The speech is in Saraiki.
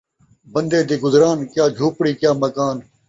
بندے دی گزران، کیا جھوپڑی ، کیا مکان